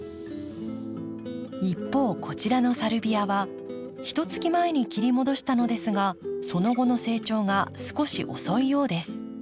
一方こちらのサルビアはひとつき前に切り戻したのですがその後の成長が少し遅いようです。